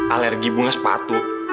alergi bunga sepatu